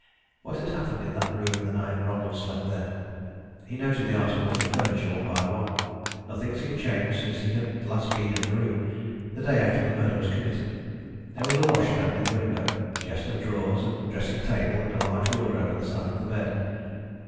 What had happened in that room the night Ronald slept there? He noted the articles of furniture one by one. Nothing seemed changed since he had last been in the room, the day after the murder was committed. There was a washstand near the window, a chest of drawers, a dressing table and a large wardrobe at the side of the bed.